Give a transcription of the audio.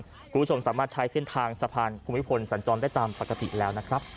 คุณผู้ชมสามารถใช้เส้นทางสะพานภูมิพลสัญจรได้ตามปกติแล้วนะครับ